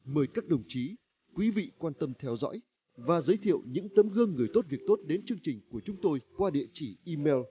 mời các đồng chí quý vị quan tâm theo dõi và giới thiệu những tấm gương người tốt việc tốt đến chương trình của chúng tôi qua địa chỉ email